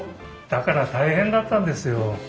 だから大変だったんですよ。